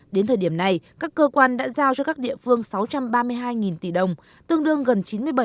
đến thời điểm này các cơ quan đã giao cho các địa phương sáu trăm ba mươi hai tỷ đồng tương đương gần chín mươi bảy